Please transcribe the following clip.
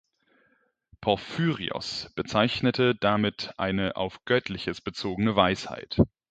Porphyrios bezeichnete damit eine auf Göttliches bezogene Weisheit.